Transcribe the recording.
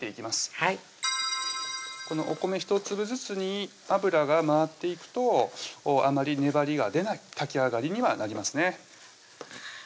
はいこのお米１粒ずつに油が回っていくとあまり粘りが出ない炊き上がりにはなりますね